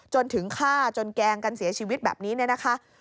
จนถึงฆ่าจนแกล้งกันเสียชีวิตแบบนี้เนี่ยนะคะ